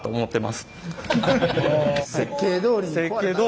設計どおり。